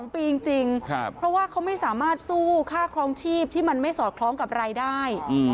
๒ปีจริงเพราะว่าเขาไม่สามารถสู้ค่าครองชีพที่มันไม่สอดคล้องกับรายได้